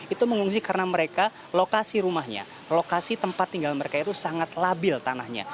itu mengungsi karena mereka lokasi rumahnya lokasi tempat tinggal mereka itu sangat labil tanahnya